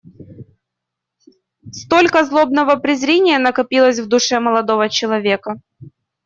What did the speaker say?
Cтолько злобного презрения накопилось в душе молодого человека.